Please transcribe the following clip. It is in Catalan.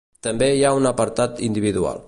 També hi ha un apartat individual.